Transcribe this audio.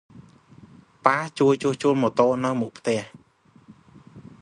ប៉ាជួសជុលម៉ូតូនៅមុខផ្ទះ។